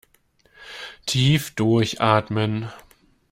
Tief durchatmen!